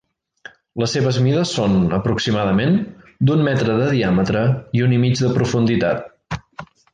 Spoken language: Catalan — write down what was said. Les seves mides són, aproximadament, d'un metre de diàmetre i un i mig de profunditat.